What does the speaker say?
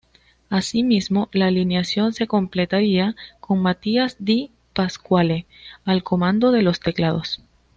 Asimismo, la alineación se completaría con Matias Di Pasquale, al comando de los teclados.